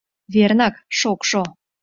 — Вернак, шокшо.